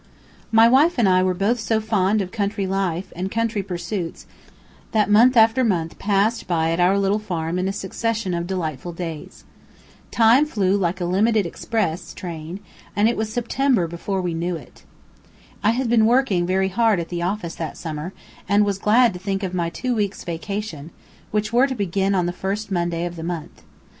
My wife and I were both so fond of country life and country pursuits that month after month passed by at our little farm in a succession of delightful days. Time flew like a "limited express" train, and it was September before we knew it. I had been working very hard at the office that summer, and was glad to think of my two weeks' vacation, which were to begin on the first Monday of the month.